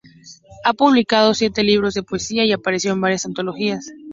Ha publicado siete libros de poesía y aparecido en varias antologías.